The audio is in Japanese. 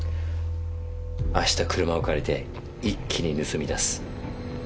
明日車を借りて一気に盗みだす。